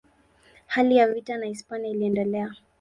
Hali ya vita na Hispania iliendelea.